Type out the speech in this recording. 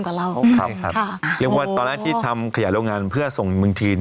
ก็เล่าครับค่ะเรียกว่าตอนแรกที่ทำขยายโรงงานเพื่อส่งเมืองจีน